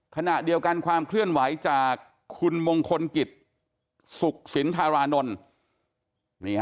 ขณะเดียวกันความเคลื่อนไหวจากคุณมงคลกิจสุขสินธารานนท์